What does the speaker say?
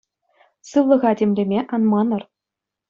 Сывлӑха тимлеме ан манӑр.